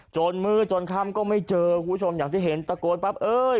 มื้อจนค่ำก็ไม่เจอคุณผู้ชมอย่างที่เห็นตะโกนปั๊บเอ้ย